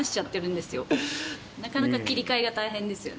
なかなか切り替えが大変ですよね。